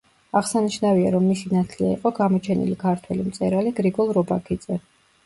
აღსანიშნავია, რომ მისი ნათლია იყო გამოჩენილი ქართველი მწერალი გრიგოლ რობაქიძე.